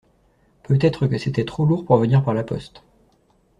Peut-être que c’était trop lourd pour venir par la poste.